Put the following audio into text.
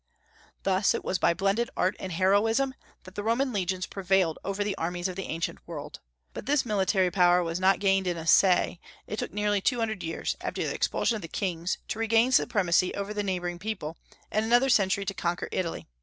Thus it was by blended art and heroism that the Roman legions prevailed over the armies of the ancient world. But this military power was not gained in a say; it took nearly two hundred years, after the expulsion of the kings, to regain supremacy over the neighboring people, and another century to conquer Italy.